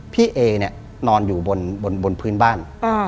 พี่เอ๊นอนอยู่บนพื้นบ้าน